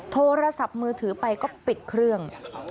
โทรศัพท์มือถือไปก็ปิดเครื่อง